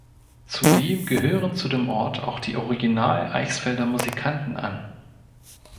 Zudem gehören zu dem Ort auch die „Original Eichsfelder Musikanten“ an.